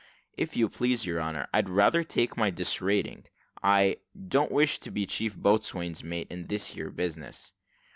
"If you please, your honour, I'd rather take my disrating I don't wish to be chief boatswain's mate in this here business."